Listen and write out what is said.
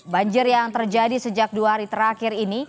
banjir yang terjadi sejak dua hari terakhir ini